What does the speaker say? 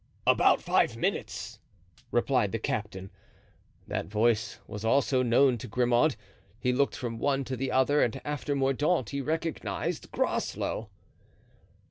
"About five minutes," replied the captain. That voice also was known to Grimaud. He looked from one to the other and after Mordaunt he recognized Groslow.